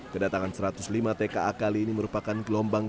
kedatangan satu ratus lima tka kali ini merupakan gelombang